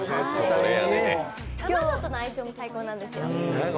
卵との相性も最高なんですよ。